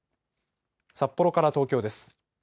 札幌から東京です。